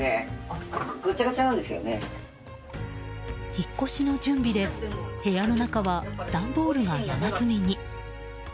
引っ越しの準備で部屋の中は段ボールが山積みに。